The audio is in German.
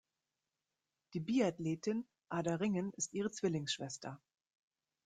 Die Biathletin Ada Ringen ist ihre Zwillingsschwester.